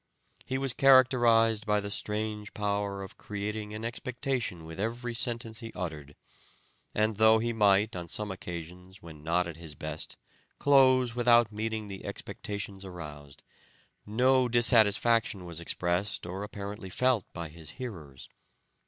He was characterized by the strange power of creating an expectation with every sentence he uttered, and though he might on some occasions, when not at his best, close without meeting the expectations aroused, no dissatisfaction was expressed or apparently felt by his hearers.